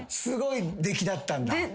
すごい出来だったんだ。